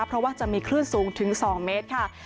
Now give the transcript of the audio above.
เพราะว่าจะมีคลื่นสูงถึง๒เมตรค่ะ